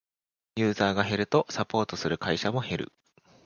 ユーザーが減るとサポートする会社も減る